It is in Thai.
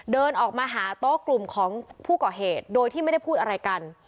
เดินออกมาหาโต๊ะกลุ่มของผู้ก่อเหตุโดยที่ไม่ได้พูดอะไรกัน